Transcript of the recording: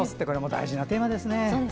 これも大事なテーマですね。